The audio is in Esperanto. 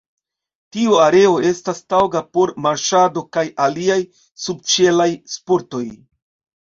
Tiu areo estas taŭga por marŝado kaj aliaj subĉielaj sportoj.